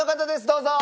どうぞ！